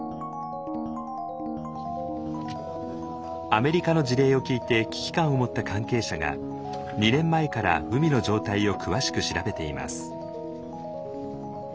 アメリカの事例を聞いて危機感を持った関係者が２年前から海の状態を詳しく調べています。